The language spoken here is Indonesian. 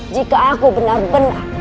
jika aku benar benar